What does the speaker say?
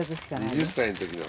２０歳の時の。